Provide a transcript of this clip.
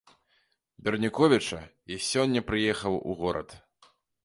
Берніковіча, і сёння прыехаў у горад.